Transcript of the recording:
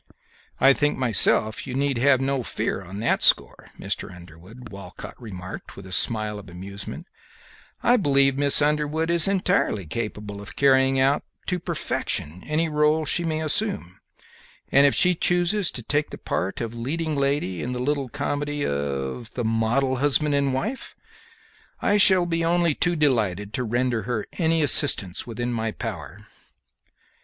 "I think myself you need have no fear on that score, Mr. Underwood," Walcott remarked, with a smile of amusement; "I believe Miss Underwood is entirely capable of carrying out to perfection any rôle she may assume, and if she chooses to take the part of leading lady in the little comedy of 'The Model Husband and Wife, I shall be only too delighted to render her any assistance within my power."